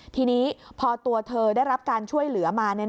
ทีนี้พอตัวเธอได้รับการช่วยเหลือมา